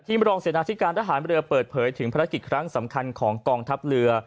มรองเสนาธิการทหารเรือเปิดเผยถึงภารกิจครั้งสำคัญของกองทัพเรือ